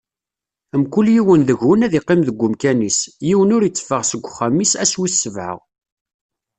Mkul yiwen deg-wen ad iqqim deg umkan-is, yiwen ur itteffeɣ seg uxxam-is ass wis sebɛa.